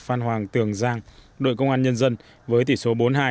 phan hoàng tường giang đội công an nhân dân với tỷ số bốn mươi hai